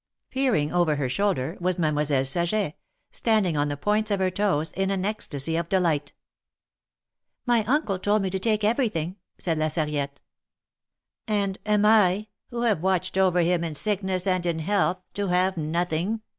Peering over her shoulder was Mademoiselle Saget, standing on the points of her toes in an ecstasy of delight. ^^My Uncle told me to take everything," said La Sarriette. ''And am I, who have watched over him in sickness and in health, to have nothing?"